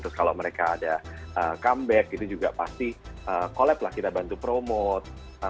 terus kalau mereka ada comeback itu juga pasti collab lah kita bantu promote